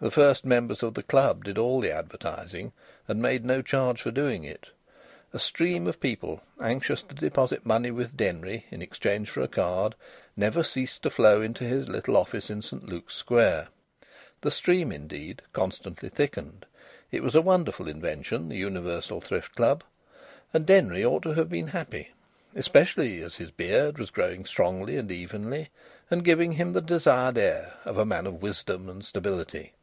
The first members of the club did all the advertising and made no charge for doing it. A stream of people anxious to deposit money with Denry in exchange for a card never ceased to flow into his little office in St Luke's Square. The stream, indeed, constantly thickened. It was a wonderful invention, the Universal Thrift Club. And Denry ought to have been happy, especially as his beard was growing strongly and evenly, and giving him the desired air of a man of wisdom and stability.